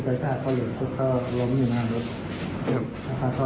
ครับ